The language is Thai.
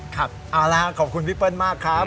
ครับเอาละครับขอบคุณพี่เปิ้ลมากครับ